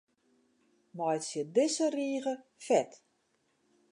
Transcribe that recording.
Meitsje dizze rige fet.